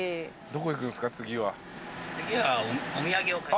どこ行くんすか？